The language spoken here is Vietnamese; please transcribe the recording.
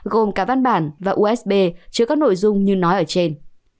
gồm cả văn bản và usb chứa các nội dung như nói ở trên